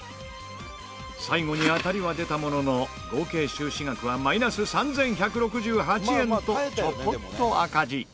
最後に当たりは出たものの合計収支額はマイナス３１６８円とちょこっと赤字。